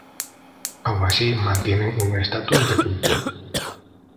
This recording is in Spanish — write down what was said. Aun así mantienen un status de culto.